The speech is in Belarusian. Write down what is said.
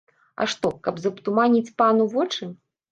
А што, каб затуманіць пану вочы?!